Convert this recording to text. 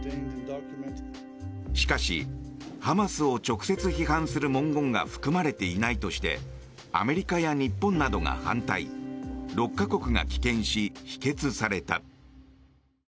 しかし、ハマスを直接批判する文言が含まれていないとしてアメリカや日本などが反対６か国が棄権し否決された。